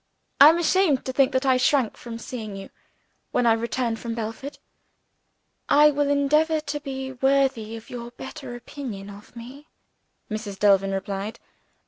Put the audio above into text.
I am ashamed to think that I shrank from seeing you when I returned from Belford." "I will endeavor to be worthy of your better opinion of me," Mrs. Delvin replied.